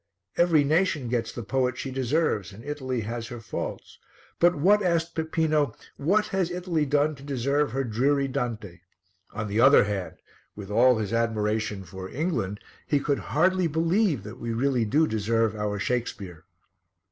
Every nation gets the poet she deserves and Italy has her faults; but what, asked Peppino, what has Italy done to deserve her dreary Dante? On the other hand, with all his admiration for England, he could hardly believe that we really do deserve our Shakespeare.